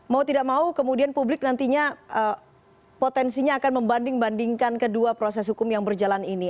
mau tidak mau kemudian publik nantinya potensinya akan membanding bandingkan kedua proses hukum yang berjalan ini